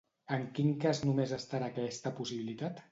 En quin cas només estarà aquesta possibilitat?